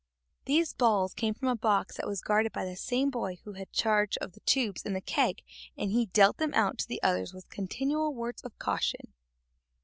These balls came from a box that was guarded by the same boy who had charge of the tubes and the keg, and he dealt them out to the others with continual words of caution.